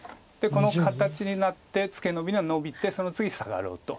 この形になってツケノビにはノビてその次サガろうと。